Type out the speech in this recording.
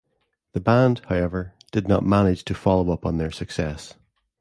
The band, however, did not manage to follow up on their success.